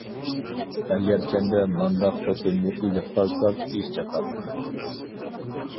ئەگەرچەندە مانداق خوتۇننى ئېلىپ قالساق ئىش چاتاق!